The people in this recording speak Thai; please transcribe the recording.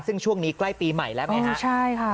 ซึ่งช่วงนี้ใกล้ปีใหม่แล้วไหมครับ